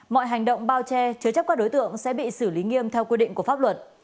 mọi hành động bao che chứa chấp các đối tượng sẽ bị xử lý nghiêm theo quy định của pháp luật